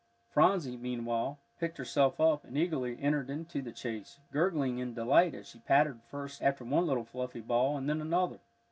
Phronsie, meanwhile, picked herself up, and eagerly entered into the chase, gurgling in delight as she pattered first after one little fluffy ball, and then another.